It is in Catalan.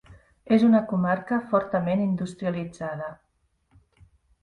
És una comarca fortament industrialitzada.